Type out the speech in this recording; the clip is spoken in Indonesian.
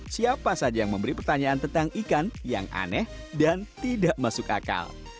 siapa saja yang memberi pertanyaan tentang ikan yang aneh dan tidak masuk akal